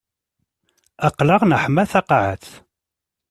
Aql-aɣ neḥma taqaƐet.